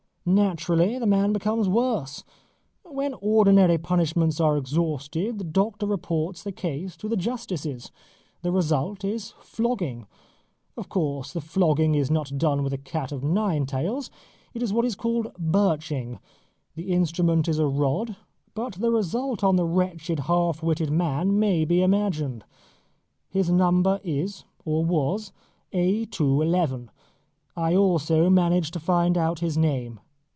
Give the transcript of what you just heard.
Naturally the man becomes worse. When ordinary punishments are exhausted, the doctor reports the case to the justices. The result is flogging. Of course the flogging is not done with a cat of nine tails. It is what is called birching. The instrument is a rod; but the result on the wretched half witted man may be imagined. His number is, or was, A. 2. 11. I also managed to find out his name.